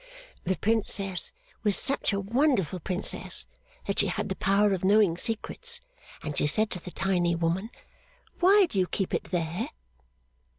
'The Princess was such a wonderful Princess that she had the power of knowing secrets, and she said to the tiny woman, Why do you keep it there?